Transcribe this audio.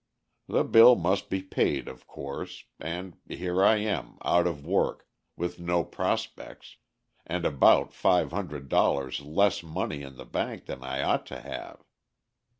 The bill must be paid, of course, and here I am, out of work, with no prospects, and about five hundred dollars less money in bank than I ought to have.